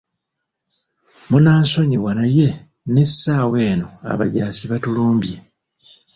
Munansonyiwa naye n'essaawa eno abajaasi batulumbye.